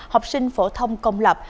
học sinh phổ thông công lập